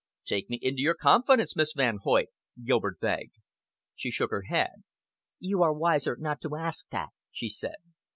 "Take me into your confidence, Miss Van Hoyt," Gilbert begged. She shook her head. "You are wiser not to ask that" she said.